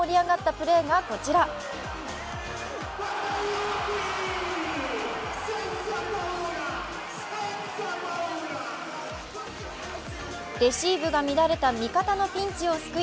レシーブが乱れた味方のピンチを救い